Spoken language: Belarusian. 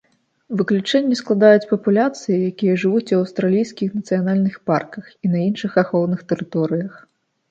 Выключэнне складаюць папуляцыі, якія жывуць у аўстралійскіх нацыянальных парках і на іншых ахоўных тэрыторыях.